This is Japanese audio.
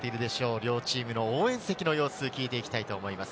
両チームの応援席の様子を聞いていきたいと思います。